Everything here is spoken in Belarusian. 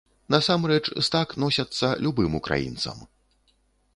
Насамрэч, з так носяцца любым украінцам!